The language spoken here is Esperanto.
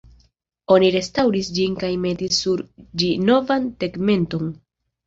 Oni restaŭris ĝin kaj metis sur ĝi novan tegmenton.